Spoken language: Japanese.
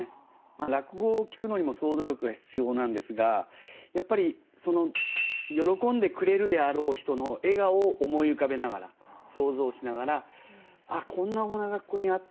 落語を聴くのにも想像力が必要なんですがやっぱり喜んでくれるであろう人の笑顔を思い浮かべながら想像しながら「あっこんなお花がここにあったら」